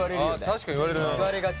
確かに言われる。